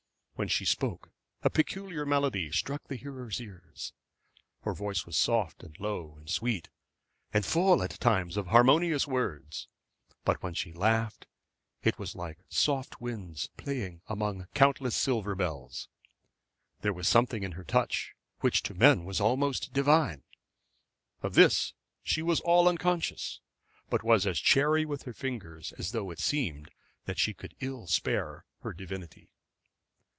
When she spoke a peculiar melody struck the hearer's ears. Her voice was soft and low and sweet, and full at all times of harmonious words; but when she laughed it was like soft winds playing among countless silver bells. There was something in her touch which to men was almost divine. Of this she was all unconscious, but was as chary with her fingers as though it seemed that she could ill spare her divinity.